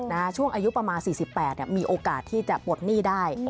ช่วงอายุประมาณ๔๘มีโอกาสที่จะปลดหนี้ได้